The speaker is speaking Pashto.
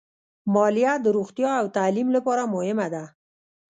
مالیه د روغتیا او تعلیم لپاره مهمه ده.